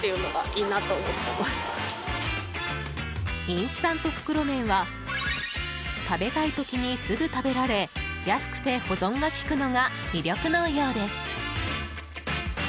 インスタント袋麺は食べたい時にすぐ食べられ安くて保存がきくのが魅力のようです。